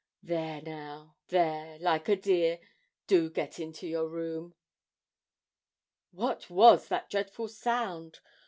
There now, there, like a dear, do get into your room.' What was that dreadful sound?